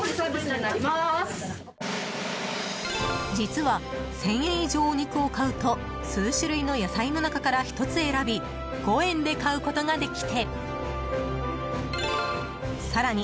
実は１０００円以上お肉を買うと数種類の野菜の中から１つ選び５円で買うことができて更に